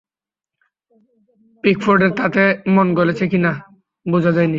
পিকফোর্ডের তাতে মন গলেছে কি না, বোঝা যায়নি।